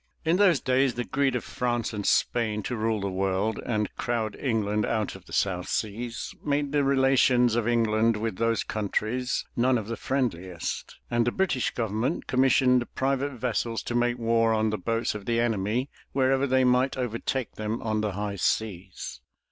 In those days the greed of France and Spain to rule the world and crowd England out of the South Seas, made the relations of England with those countries none of the friendliest, and the British government commissioned private vessels to make war on the boats of the enemy wherever they might overtake them on the high seas.